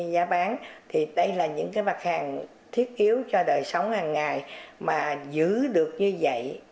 giá bán thì đây là những mặt hàng thiết yếu cho đời sống hàng ngày mà giữ được như vậy